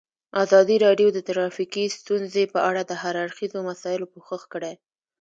ازادي راډیو د ټرافیکي ستونزې په اړه د هر اړخیزو مسایلو پوښښ کړی.